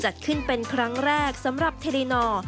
จัดขึ้นเป็นครั้งแรกสำหรับเทรีนอร์